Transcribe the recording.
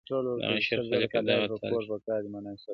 دغه سُر خالقه دغه تال کي کړې بدل,